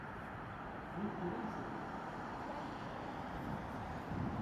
Yuker-itent.